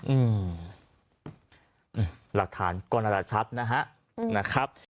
อืมอืมหลักฐานกรณรถชัดนะฮะอืมนะครับ